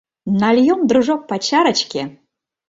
Нальем, дружок, по чарочке